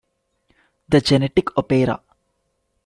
The Genetic Opera.